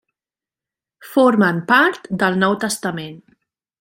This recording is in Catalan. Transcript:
Formen part del Nou Testament.